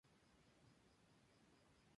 Fue, además, un afamado acordeonista.